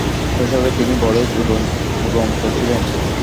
শৈশবে তিনি বড়ই দুরন্ত ছিলেন।